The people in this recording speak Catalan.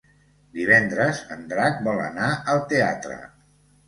Divendres en Drac vol anar al teatre.